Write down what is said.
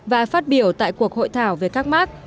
và phát biểu tại cuộc hội thảo về các mark